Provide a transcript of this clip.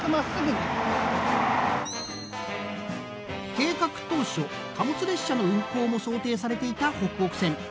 計画当初貨物列車の運行も想定されていたほくほく線。